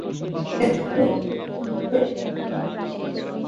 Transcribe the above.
এতে সন্দেহভাজন ব্যক্তিদের মধ্যে শামীম ওসমান প্রথম এবং তৃতীয় ক্যাঙ্গারু পারভেজ।